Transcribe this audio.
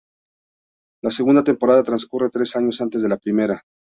La segunda temporada transcurre tres años antes de la primera.